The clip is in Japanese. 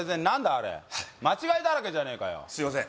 何だあれ間違いだらけじゃねえかよ